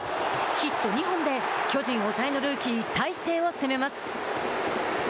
ヒット２本で巨人抑えのルーキー大勢を攻めます。